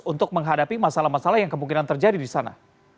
untuk menghadapi masalah masalah yang kemungkinan terjadi di sana